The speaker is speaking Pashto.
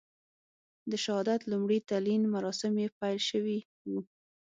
د شهادت لومړي تلین مراسم یې پیل شوي وو.